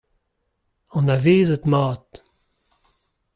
Anavezet-mat.